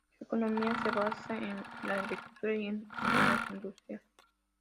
Su economía se basa en la agricultura y en algunas industrias.